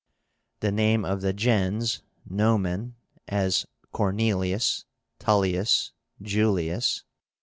The name of the gens (nomen), as Cornelius, Tullius, Julius.